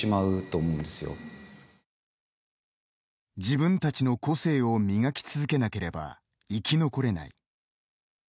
自分たちの個性を磨き続けなければ生き残れない。